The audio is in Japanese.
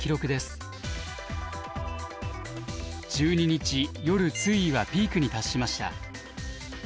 １２日夜水位はピークに達しました。